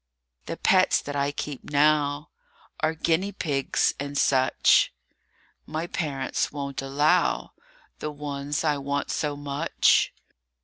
THE pets that I keep now Are guinea pigs and such; My parents won't allow The ones I want so much.